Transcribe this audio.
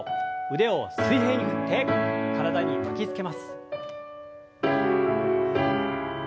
腕を水平に振って体に巻きつけます。